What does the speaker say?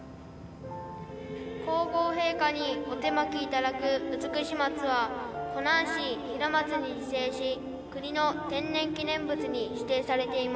皇后陛下にお手播きいただくウツクシマツは湖南市平松に自生し国の天然記念物に指定されています。